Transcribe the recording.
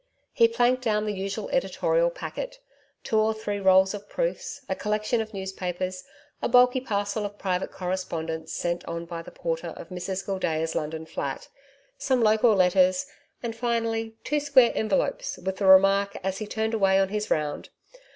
He planked down the usual editorial packet two or three rolls of proofs, a collection of newspapers, a bulky parcel of private correspondence sent on by the porter of Mrs Gildea's London flat, some local letters and, finally, two square envelopes, with the remark, as he turned away on his round.